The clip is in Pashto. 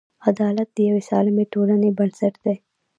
عدالت د یوې سالمې ټولنې بنسټ دی.